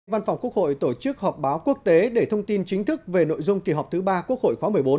văn phòng quốc hội tổ chức họp báo quốc tế để thông tin chính thức về nội dung kỳ họp thứ ba quốc hội khóa một mươi bốn